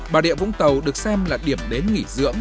bà địa vũng tàu được xem là điểm đến nghỉ dưỡng